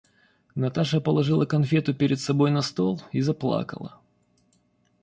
Наташа положила конфету перед собой на стол и заплакала.